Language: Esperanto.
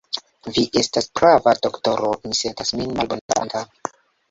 Vi estas prava, doktoro; mi sentas min malbonfartanta.